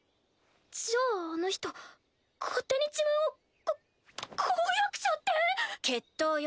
じゃああの人勝手に自分をこ婚約者って⁉決闘よ。